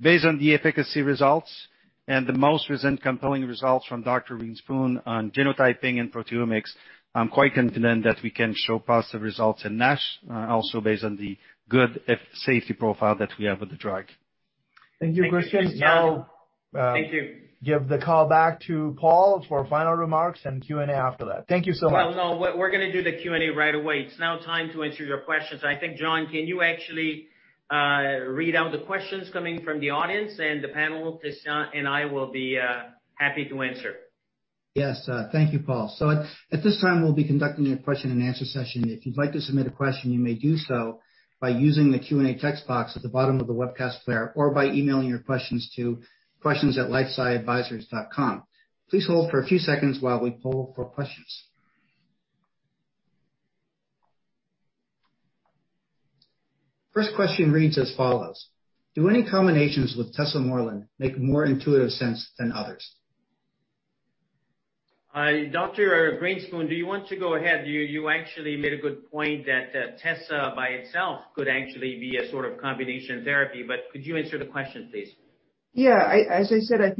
Based on the efficacy results and the most recent compelling results from Dr. Grinspoon on genotyping and proteomics, I'm quite confident that we can show positive results in NASH, also based on the good safety profile that we have with the drug. Thank you, Christian. Thank you. I'll give the call back to Paul for final remarks and Q&A after that. Thank you so much. Well, no, we're going to do the Q&A right away. It is now time to answer your questions. I think, John, can you actually read out the questions coming from the audience, and the panel, Christian and I, will be happy to answer. Yes. Thank you, Paul. At this time, we'll be conducting a question and answer session. If you'd like to submit a question, you may do so by using the Q&A text box at the bottom of the webcast player or by emailing your questions to questions@lifesciadvisors.com. Please hold for a few seconds while we poll for questions. First question reads as follows: Do any combinations with tesamorelin make more intuitive sense than others? Dr. Grinspoon, do you want to go ahead? You actually made a good point that tesa by itself could actually be a sort of combination therapy, could you answer the question, please? Yeah. As I said, I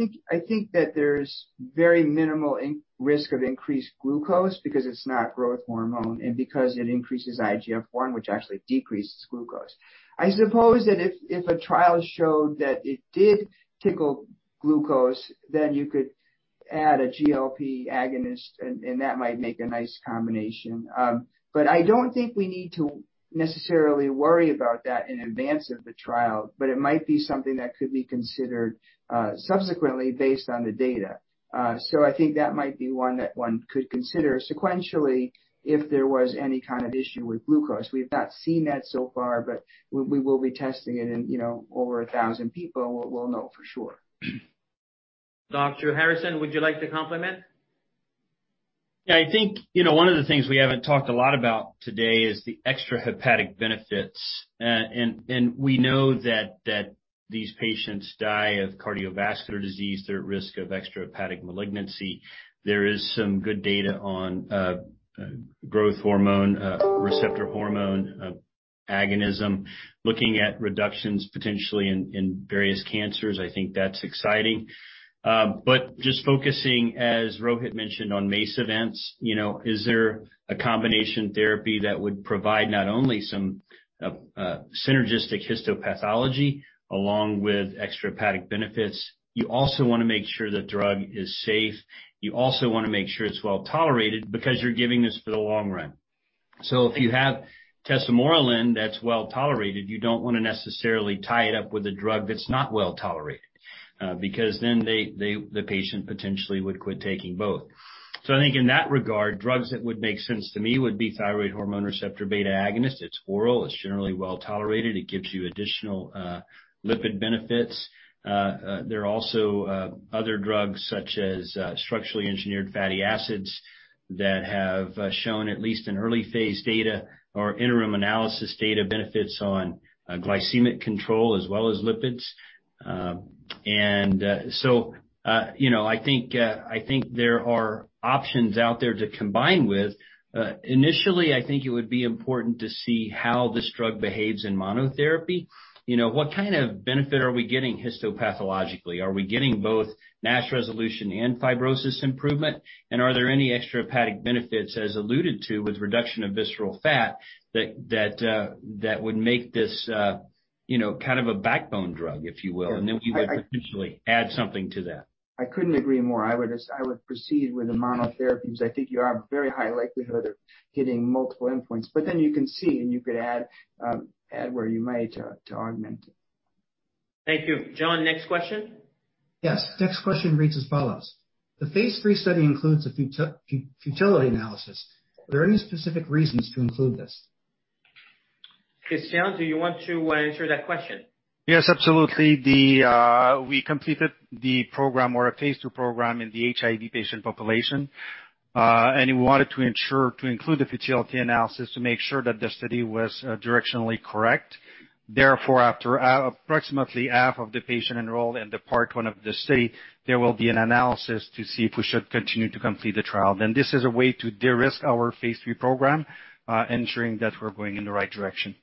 think that there's very minimal risk of increased glucose because it's not growth hormone and because it increases IGF-1, which actually decreases glucose. I suppose that if a trial showed that it did tickle glucose, then you could add a GLP agonist, and that might make a nice combination. I don't think we need to necessarily worry about that in advance of the trial. It might be something that could be considered subsequently based on the data. I think that might be one that one could consider sequentially if there was any kind of issue with glucose. We've not seen that so far, but we will be testing it in over 1,000 people, and we'll know for sure. Dr. Harrison, would you like to comment? Yeah, I think one of the things we haven't talked a lot about today is the extrahepatic benefits. We know that these patients die of cardiovascular disease. They're at risk of extrahepatic malignancy. There is some good data on growth hormone-releasing hormone agonism looking at reductions potentially in various cancers. I think that's exciting. Just focusing, as Rohit mentioned, on MACE events, is there a combination therapy that would provide not only some synergistic histopathology along with extrahepatic benefits. You also want to make sure the drug is safe. You also want to make sure it's well-tolerated because you're giving this for the long run. If you have tesamorelin that's well-tolerated, you don't want to necessarily tie it up with a drug that's not well-tolerated, because then the patient potentially would quit taking both. I think in that regard, drugs that would make sense to me would be thyroid hormone receptor-beta agonist. It's oral. It's generally well-tolerated. It gives you additional lipid benefits. There are also other drugs, such as structurally engineered fatty acids, that have shown, at least in early phase data or interim analysis data, benefits on glycemic control as well as lipids. I think there are options out there to combine with. Initially, I think it would be important to see how this drug behaves in monotherapy. What kind of benefit are we getting histopathologically? Are we getting both NASH resolution and fibrosis improvement? Are there any extrahepatic benefits, as alluded to with reduction of visceral fat, that would make this kind of a backbone drug, if you will? Yeah. We would potentially add something to that. I couldn't agree more. I would proceed with the monotherapy because I think you have a very high likelihood of hitting multiple endpoints. You can see, and you could add where you might to augment it. Thank you. John, next question. Yes. Next question reads as follows: The phase III study includes a futility analysis. Are there any specific reasons to include this? Christian, do you want to answer that question? Yes, absolutely. We completed the program or a phase II program in the HIV patient population. We wanted to ensure to include the futility analysis to make sure that the study was directionally correct. Therefore, after approximately half of the patient enrolled in the Part 1 of the study, there will be an analysis to see if we should continue to complete the trial. This is a way to de-risk our phase III program, ensuring that we're going in the right direction.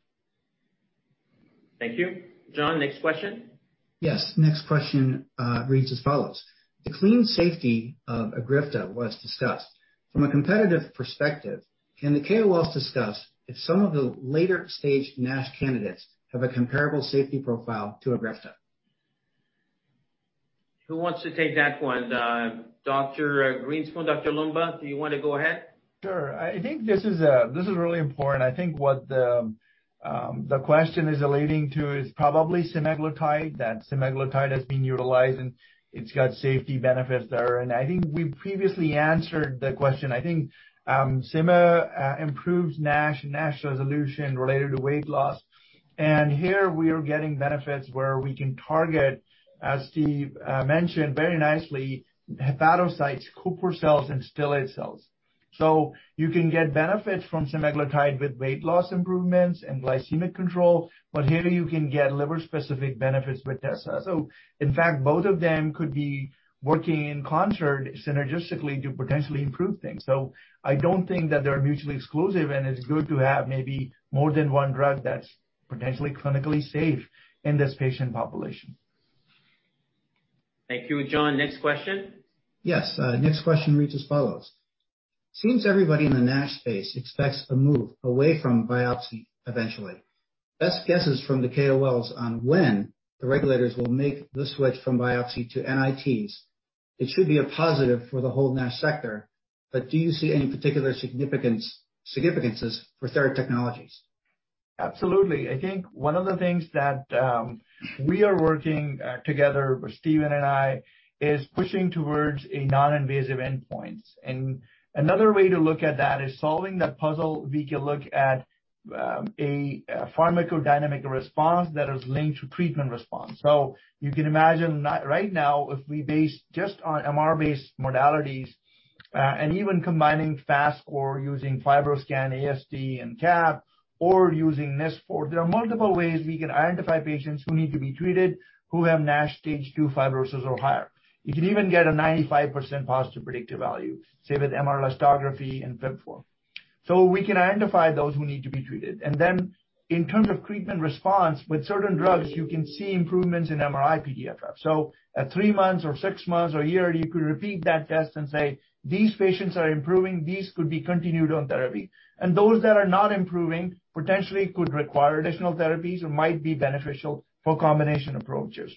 Thank you. John, next question. Yes. Next question reads as follows: The clean safety of EGRIFTA was discussed. From a competitive perspective, can the KOLs discuss if some of the later-stage NASH candidates have a comparable safety profile to EGRIFTA? Who wants to take that one? Dr. Steven Grinspoon, Rohit Loomba, do you want to go ahead? Sure. I think this is really important. I think what the question is alluding to is probably semaglutide, that semaglutide is being utilized, and it's got safety benefits there. I think we previously answered the question. I think sema improves NASH resolution related to weight loss. Here we are getting benefits where we can target, as Steve mentioned very nicely, hepatocytes, Kupffer cells, and stellate cells. You can get benefits from semaglutide with weight loss improvements and glycemic control. Here you can get liver-specific benefits with tesa. In fact, both of them could be working in concert synergistically to potentially improve things. I don't think that they are mutually exclusive, and it's good to have maybe more than one drug that's potentially clinically safe in this patient population. Thank you. John, next question. Yes. Next question reads as follows: Seems everybody in the NASH space expects a move away from biopsy eventually. Best guesses from the KOLs on when the regulators will make the switch from biopsy to NITs. It should be a positive for the whole NASH sector. Do you see any particular significances for Theratechnologies? Absolutely. I think one of the things that we are working together, Stephen and I, is pushing towards a non-invasive endpoint. Another way to look at that is solving that puzzle, we can look at a pharmacodynamic response that is linked to treatment response. You can imagine right now, if we base just on MR-based modalities and even combining FAST or using FibroScan, AST, and CAP, or using NIS4, there are multiple ways we can identify patients who need to be treated who have NASH stage 2 fibrosis or higher. You can even get a 95% positive predictive value, say, with MR elastography and FIB-4. We can identify those who need to be treated. Then in terms of treatment response, with certain drugs, you can see improvements in MRI-PDFF. At 3 months or 6 months or 1 year, you could repeat that test and say, "These patients are improving. These could be continued on therapy." Those that are not improving, potentially could require additional therapies or might be beneficial for combination approaches.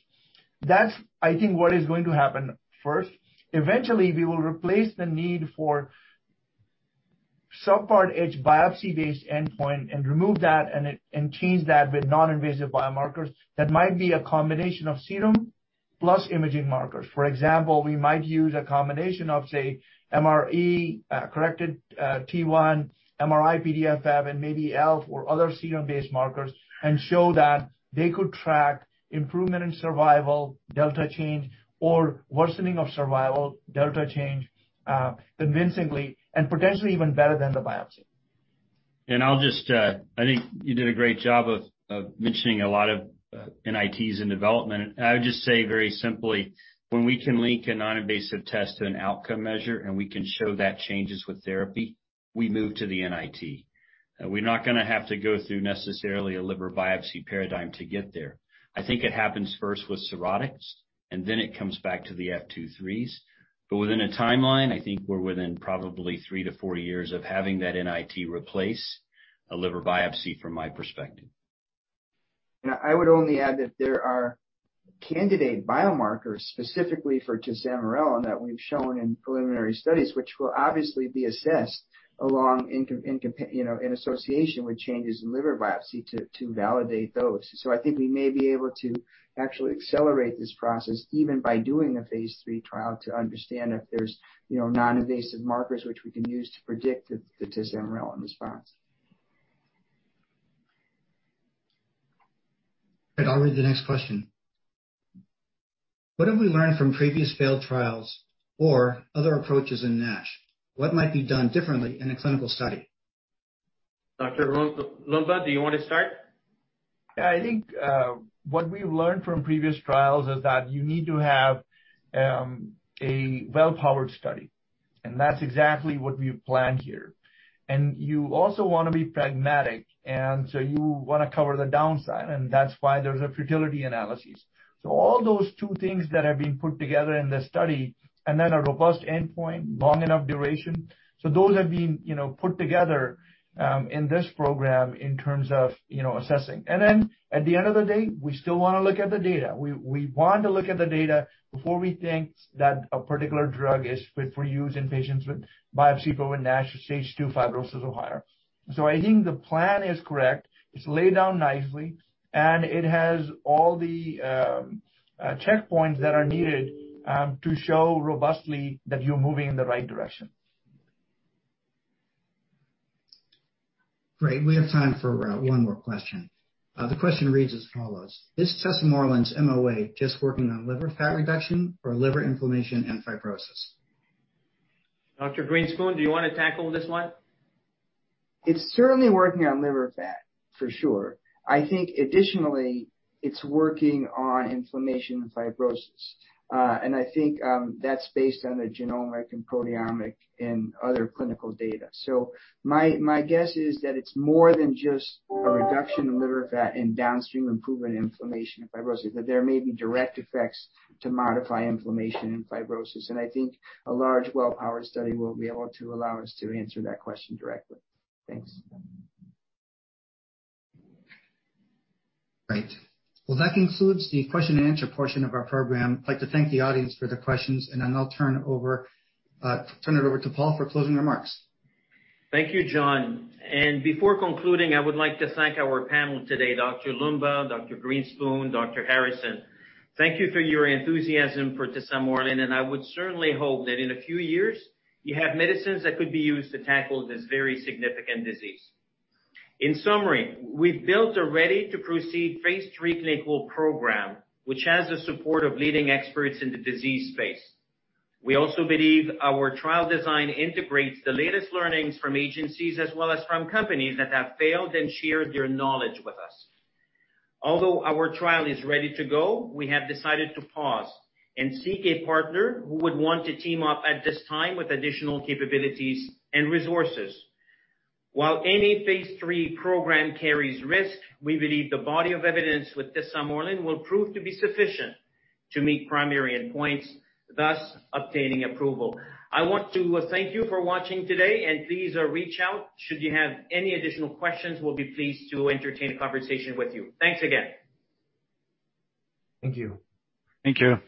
That's, I think, what is going to happen first. Eventually, we will replace the need for subpart H biopsy-based endpoint and remove that and change that with non-invasive biomarkers that might be a combination of serum plus imaging markers. For example, we might use a combination of, say, MRE, corrected T1, MRI-PDFF, and maybe ELF or other serum-based markers and show that they could track improvement in survival, delta change, or worsening of survival, delta change, convincingly and potentially even better than the biopsy. I think you did a great job of mentioning a lot of NITs in development. I would just say very simply, when we can link a non-invasive test to an outcome measure and we can show that changes with therapy, we move to the NIT. We're not going to have to go through necessarily a liver biopsy paradigm to get there. I think it happens first with cirrhotics, and then it comes back to the F2/3s. Within a timeline, I think we're within probably three to four years of having that NIT replace a liver biopsy from my perspective. I would only add that there are candidate biomarkers specifically for tesamorelin that we've shown in preliminary studies, which will obviously be assessed along in association with changes in liver biopsy to validate those. I think we may be able to actually accelerate this process even by doing a phase III trial to understand if there's non-invasive markers which we can use to predict the tesamorelin response. Right. I'll read the next question. What have we learned from previous failed trials or other approaches in NASH? What might be done differently in a clinical study? Rohit Loomba, do you want to start? Yeah. I think what we've learned from previous trials is that you need to have a well-powered study. That's exactly what we've planned here. You also want to be pragmatic. So you want to cover the downside. That's why there's a futility analysis. All those two things that have been put together in the study, and then a robust endpoint, long enough duration. Those have been put together in this program in terms of assessing. Then at the end of the day, we still want to look at the data. We want to look at the data before we think that a particular drug is fit for use in patients with biopsy proven NASH with stage 2 fibrosis or higher. I think the plan is correct. It's laid down nicely, and it has all the checkpoints that are needed to show robustly that you're moving in the right direction. Great. We have time for one more question. The question reads as follows: Is tesamorelin's MOA just working on liver fat reduction or liver inflammation and fibrosis? Dr. Grinspoon, do you want to tackle this one? It's certainly working on liver fat, for sure. I think additionally, it's working on inflammation and fibrosis. I think that's based on the genomic and proteomic and other clinical data. My guess is that it's more than just a reduction in liver fat and downstream improvement in inflammation and fibrosis, that there may be direct effects to modify inflammation and fibrosis. I think a large, well-powered study will be able to allow us to answer that question directly. Thanks. Great. Well, that concludes the question and answer portion of our program. I'd like to thank the audience for the questions, and then I'll turn it over to Paul for closing remarks. Thank you, John. Before concluding, I would like to thank our panel today, Rohit Loomba, Dr. Steven Grinspoon, Dr. Stephen Harrison. Thank you for your enthusiasm for tesamorelin, and I would certainly hope that in a few years, you have medicines that could be used to tackle this very significant disease. In summary, we've built a ready-to-proceed phase III clinical program, which has the support of leading experts in the disease space. We also believe our trial design integrates the latest learnings from agencies as well as from companies that have failed and shared their knowledge with us. Although our trial is ready to go, we have decided to pause and seek a partner who would want to team up at this time with additional capabilities and resources. While any phase III program carries risk, we believe the body of evidence with tesamorelin will prove to be sufficient to meet primary endpoints, thus obtaining approval. I want to thank you for watching today, and please reach out should you have any additional questions. We'll be pleased to entertain a conversation with you. Thanks again. Thank you. Thank you.